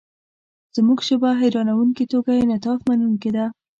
زموږ ژبه حیرانوونکې توګه انعطافمنونکې ده.